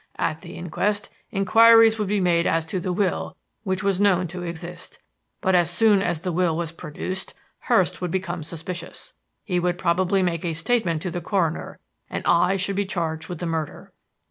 At the inquest inquiries would be made as to the will which was known to exist. But as soon as the will was produced, Hurst would become suspicious. He would probably make a statement to the coroner and I should be charged with the murder.